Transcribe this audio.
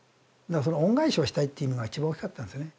その恩返しをしたいという意味が一番大きかったんですよね。